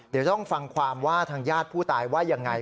เดี๋ยวต้องฟังความว่าทางญาติผู้ตายว่ายังไง